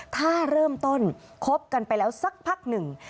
ถ้าเริ่มต้นคบกันไปแล้วสักพักหนึ่ง